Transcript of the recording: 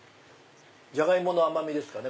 ジャガイモの甘みですかね。